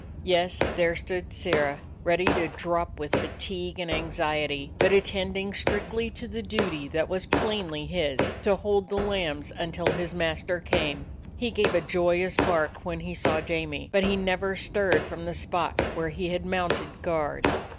Yes, there stood Sirrah, ready to drop with fatigue and anxiety, but attending strictly to the duty that was plainly his, to hold the lambs until his master came. He gave a joyous bark when he saw Jamie, but he never stirred from the spot where he had mounted guard.